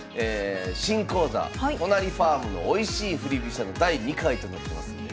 新講座「都成ファームのおいしい振り飛車」の第２回となってますんで。